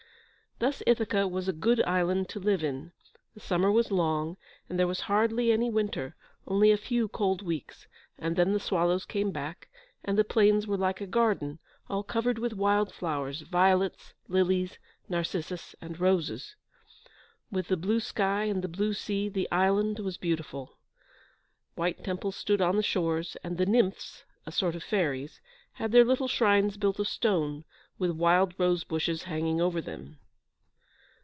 Thus Ithaca was a good island to live in. The summer was long, and there was hardly any winter; only a few cold weeks, and then the swallows came back, and the plains were like a garden, all covered with wild flowers violets, lilies, narcissus, and roses. With the blue sky and the blue sea, the island was beautiful. White temples stood on the shores; and the Nymphs, a sort of fairies, had their little shrines built of stone, with wild rose bushes hanging over them.